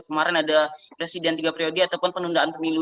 kemarin ada presiden tiga priodi ataupun penundaan pemilu